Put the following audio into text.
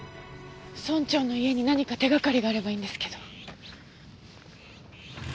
村長の家に何か手がかりがあればいいんですけど。